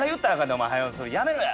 「お前早うそれやめろや！」